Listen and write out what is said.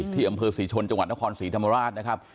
ที่อำเภอศรีชนจังหวัดนครศรีธรรมราชนะครับ